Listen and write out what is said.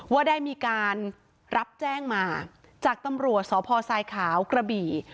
ว่าได้มีการรับแจ้งมาจากตำรวจสพทรายขาวกระบี่